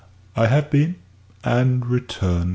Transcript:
"I have been, and returned.